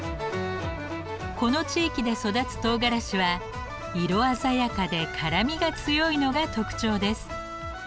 この地域で育つとうがらしは色鮮やかで辛みが強いのが特徴です。